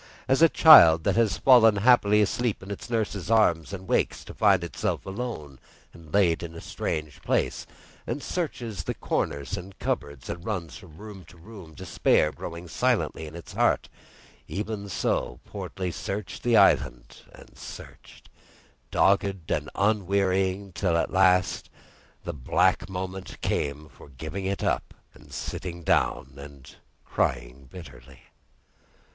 As a child that has fallen happily asleep in its nurse's arms, and wakes to find itself alone and laid in a strange place, and searches corners and cupboards, and runs from room to room, despair growing silently in its heart, even so Portly searched the island and searched, dogged and unwearying, till at last the black moment came for giving it up, and sitting down and crying bitterly.